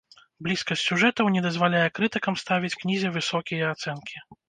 Блізкасць сюжэтаў не дазваляе крытыкам ставіць кнізе высокія ацэнкі.